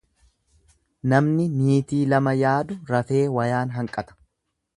Namni niitii lama yaadu rafee wayaan hanqata.